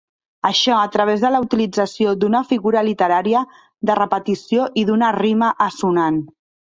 Això, a través de la utilització d'una figura literària de repetició i d'una rima assonant.